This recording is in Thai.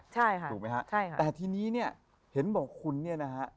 จริง